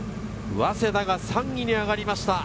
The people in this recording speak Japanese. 早稲田が３位に上がりました。